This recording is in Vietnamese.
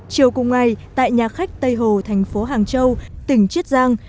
chiều cùng ngày tại nhà khách tây hồ thành phố hàng châu tỉnh chiết giang